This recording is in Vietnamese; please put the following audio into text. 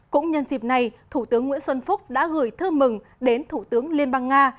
cũng nhân dịp này thủ tướng nguyễn xuân phúc đã gửi thư mừng đến thủ tướng liên bang nga